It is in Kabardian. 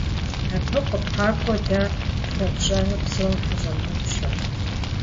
Абы къыпэкӀуэу дэ фхуэтщӀэну псом фыщӀэмыупщӀэ.